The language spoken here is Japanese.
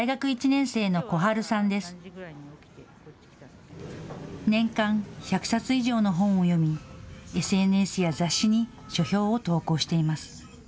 年間１００冊以上の本を読み、ＳＮＳや雑誌に書評を投稿しています。